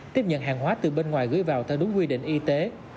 tiếp nhận hàng hóa từ bên ngoài gửi vào theo đúng quy định y tế